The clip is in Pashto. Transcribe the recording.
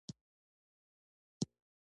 غرونه د افغان تاریخ په کتابونو کې ذکر شوی دي.